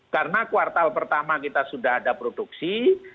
karena kuartal pertama kita sudah ada produksi